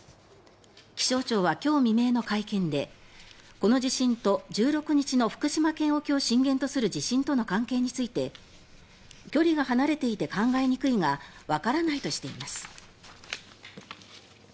気象庁は今日未明の会見でこの地震と１６日の福島県沖を震源とする地震との関係について距離が離れていて考えにくいがわからないとしています。